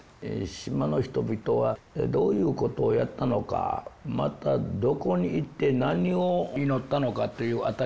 島の人々はどういうことをやったのかまたどこに行って何を祈ったのかという辺りがね